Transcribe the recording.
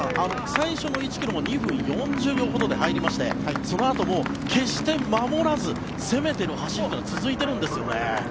最初の１ｋｍも２分４０秒ほどで入りましてそのあとも決して守らず攻めている走りが続いているんですね。